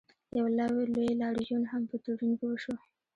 یو لوی لاریون هم په تورین کې وشو.